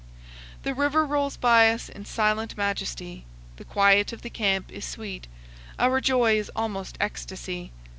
The river rolls by us in silent majesty; the quiet of the camp is sweet; our joy is almost ecstasy.